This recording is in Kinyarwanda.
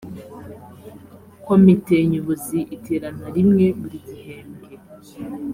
komite nyobozi iterana rimwe buri gihembwe